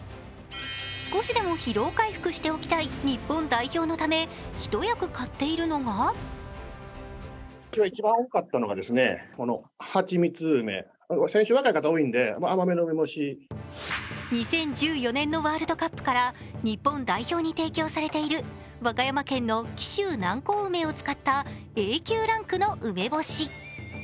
少しでも疲労回復しておきたい日本代表のため一役買っているのが２０１４年のワールドカップから日本代表に提供されている和歌山県の紀州南高梅を使ったＡ級ランクの梅干し。